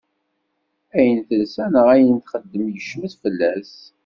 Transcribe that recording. Ayen telsa neɣ ayen texdem yecmet fell-as.